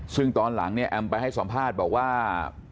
ซึ่งตอนหลังเนี่ยแอมไปให้สัมภาษณ์บอกว่า